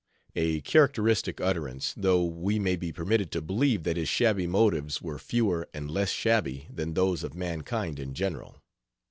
A characteristic utterance, though we may be permitted to believe that his shabby motives were fewer and less shabby than those of mankind in general.